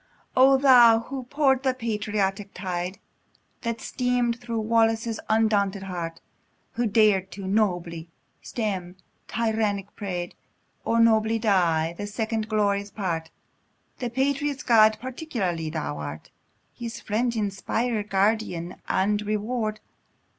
O Thou! who pour'd the patriotic tide, That stream'd thro' Wallace's undaunted heart, Who dar'd to nobly stem tyrannic pride, Or nobly die, the second glorious part: (The patriot's God peculiarly thou art, His friend, inspirer, guardian, and reward!)